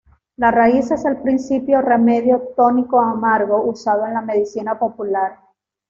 La raíz es el principal remedio "tónico amargo" usado en la medicina popular.